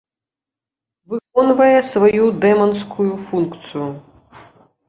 Выконвае сваю дэманскую функцыю.